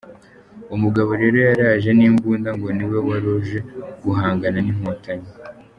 Uwo mugabo rero yaraje n’imbunda ngo niwe wari uje guhangana n’inkotanyi.